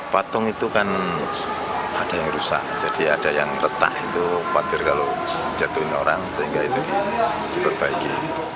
patung itu kan ada yang rusak jadi ada yang retak itu khawatir kalau jatuhin orang sehingga itu diperbaiki